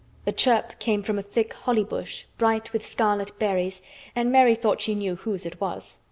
The chirp came from a thick holly bush, bright with scarlet berries, and Mary thought she knew whose it was.